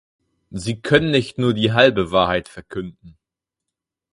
Sie können nicht nur die halbe Wahrheit verkünden.